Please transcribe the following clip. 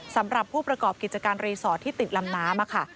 สำหรับผู้ประกอบกิจการรีสอร์ทที่ติดลำน้ำค่ะ